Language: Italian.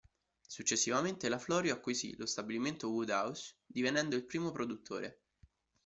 Successivamente la Florio acquisì lo stabilimento Woodhouse, divenendo il primo produttore.